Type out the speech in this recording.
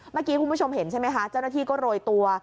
เมื่อกี้คุณผู้ชมเห็นใช่ไหมคะเจ้าหน้าที่ก็โรยตัว